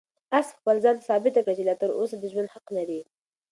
آس خپل ځان ته ثابته کړه چې لا تر اوسه د ژوند حق لري.